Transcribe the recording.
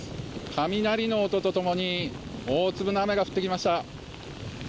雷の音と共に大粒の雨が降ってきました。